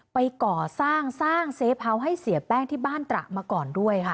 ไปก่อสร้างสร้างเซฟเฮาส์ให้เสียแป้งที่บ้านตระมาก่อนด้วยค่ะ